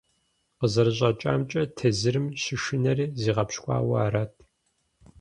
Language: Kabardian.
КъызэрыщӀэкӀамкӀэ, тезырым щышынэри зигъэпщкӀуауэ арат.